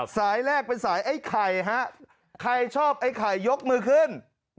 สายแรกเป็นสายไอ้ไข่ฮะใครชอบไอ้ไข่ยกมือขึ้น